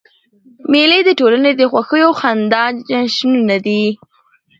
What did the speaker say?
مېلې د ټولني د خوښیو او خندا جشنونه دي.